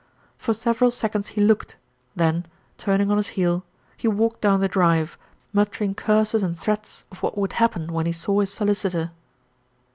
For several seconds he looked, then, turning on his heel, he walked down the drive, muttering curses and threats of what would happen when he saw his solicitor.